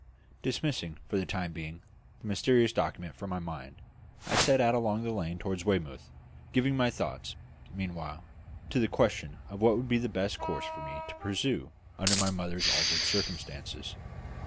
Dismissing, for the time being, the mysterious document from my mind, I set out along the lane toward Weymouth, giving my thoughts, meanwhile, to the question of what would be the best course for me to pursue under my mother's altered circumstances.